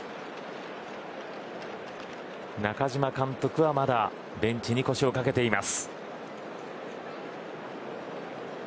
中嶋監督はまだベンチに腰を掛けています。